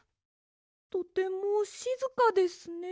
とてもしずかですね。